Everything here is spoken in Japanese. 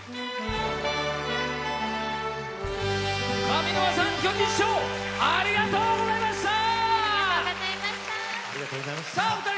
上沼さん、巨人師匠ありがとうございました。